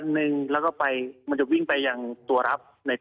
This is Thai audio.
นรรถี่นี่แนวธัมภ์